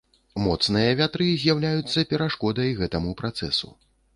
Моцныя вятры з'яўляюцца перашкодай гэтаму працэсу.